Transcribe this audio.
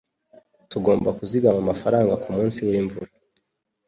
Tugomba kuzigama amafaranga kumunsi wimvura.